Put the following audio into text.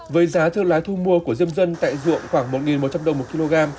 với giá thương lái thu mua của diêm dân tại ruộng khoảng một một trăm linh đồng một kg